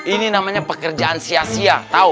ini namanya pekerjaan sia sia tahu